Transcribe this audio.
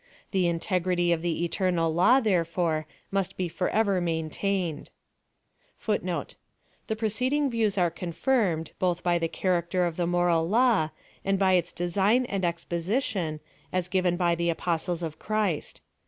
The hitegrity of the eternal law, therefore, must l>e forever maintained.* * The preceeding views are confirmed, boih by the character tf the moral law, and by its design and expedition, as given by the Apostles of Christ.